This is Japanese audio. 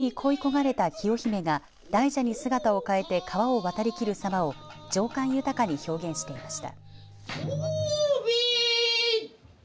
伝説を元にした演目で僧侶に恋焦がれた清姫が大蛇に姿を変えて川を渡りきる様を情感豊かに表現していました。